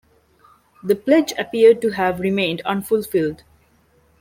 This pledge appeared to have remained unfulfilled.